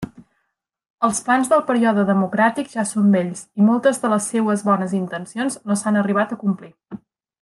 Els plans del període democràtic ja són vells i moltes de les seues bones intencions no s'han arribat a complir.